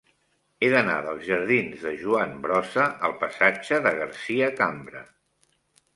He d'anar dels jardins de Joan Brossa al passatge de Garcia Cambra.